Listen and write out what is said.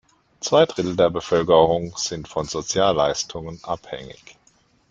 Zwei Drittel der Bevölkerung sind von Sozialleistungen abhängig.